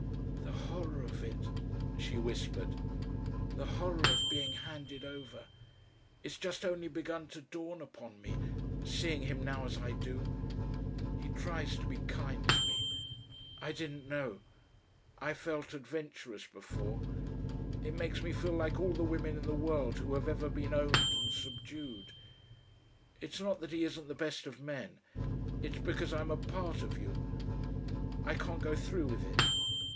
"The horror of it," she whispered. "The horror of being handed over. It's just only begun to dawn upon me, seeing him now as I do. He tries to be kind to me.... I didn't know. I felt adventurous before.... It makes me feel like all the women in the world who have ever been owned and subdued.... It's not that he isn't the best of men, it's because I'm a part of you.... I can't go through with it.